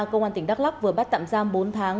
công an tỉnh đắk lắc vừa bắt tạm giam bốn tháng